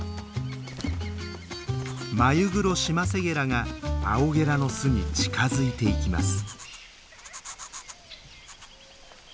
マユグロシマセゲラがアオゲラの巣に近づいていきます。